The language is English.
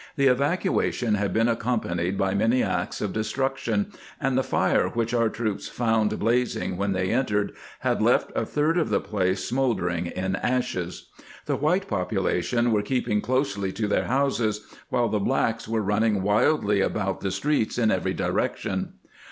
The evacuation had been accompanied by many acts of de struction, and the fire which our troops found blazing when they entered had left a third of the place smolder ing in ashes. The white population were keeping closely to their houses, while the blacks were running wildly about the streets in every direction.